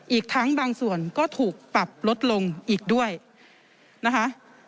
อีกทั้งบางส่วนก็ถูกปรับลดลงอีกด้วยนะคะ